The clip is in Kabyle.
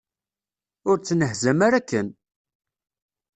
Ur ttnehzam ara akken!